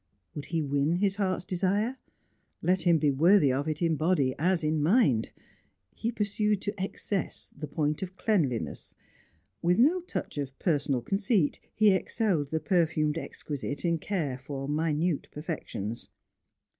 Would he win his heart's desire? let him be worthy of it in body as in mind. He pursued to excess the point of cleanliness. With no touch of personal conceit, he excelled the perfumed exquisite in care for minute perfections.